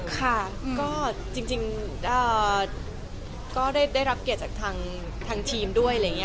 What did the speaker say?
ค่ะก็จริงก็ได้รับเกียรติจากทางทีมด้วย